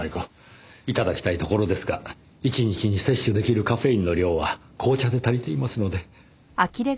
頂きたいところですが一日に摂取出来るカフェインの量は紅茶で足りていますので。